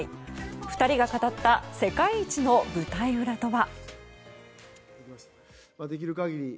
２人が語った世界一の舞台裏とは。